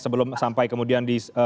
sebelum sampai kemudian